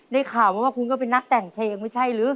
ได้ข่าวมาว่าคุณก็เป็นนักแต่งเพลงไม่ใช่หรือ